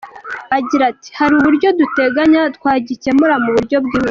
Agira ati “Hari uburyo duteganya twagikemura mu buryo bwihuse.